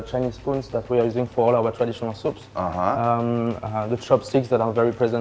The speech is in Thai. เช่นนี่คือปุ่นชีวิตที่เราใช้ในทุกสูปที่มีในประเทศ